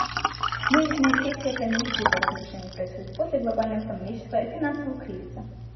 Нынешняя сессия Комиссии по разоружению проходит после глобального экономического и финансового кризиса.